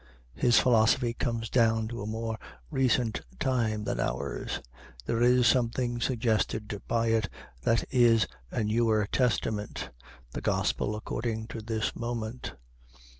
His philosophy comes down to a more recent time than ours. There is something suggested by it that is a newer testament, the gospel according to this moment.